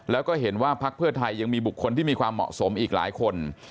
แล้วก็เห็นว่าพักเพื่อไทยยังมีบุคคลที่มีความเหมาะสมอีกหลายคน